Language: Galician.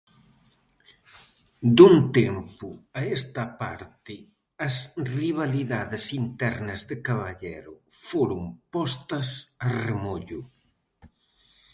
Dun tempo a esta parte, as rivalidades internas de Caballero foron postas a remollo.